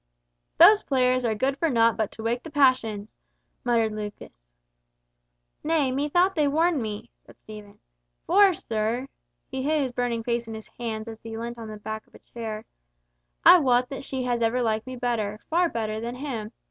"Those players are good for nought but to wake the passions!" muttered Lucas. "Nay, methought they warned me," said Stephen. "For, sir,"—he hid his burning face in his hands as he leant on the back of a chair—"I wot that she has ever liked me better, far better than him.